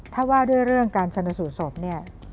ถ้าว่าด้วยเรื่องการชนสูตรศพเนี่ย